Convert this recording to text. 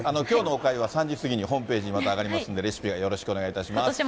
きょうのおかゆは、３時過ぎにホームページに上がりますので、レシピをよろしくお願いいたします。